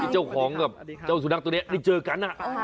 เจ้าของกับเจ้าสุนัขตัวนี้ได้เจอกัน